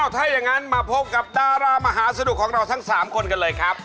ถ้าอย่างนั้นมาพบกับดารามหาสนุกของเราทั้ง๓คนกันเลยครับ